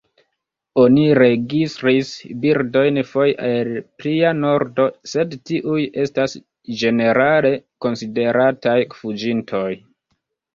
Oni registris birdojn foje el plia nordo, sed tiuj estas ĝenerale konsiderataj fuĝintoj.